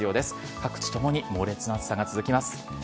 各地ともに猛烈な暑さが続きます。